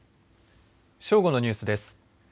正午のニュースです。